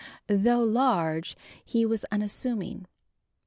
Though large, he was unassuming.